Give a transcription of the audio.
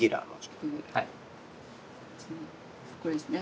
これですね。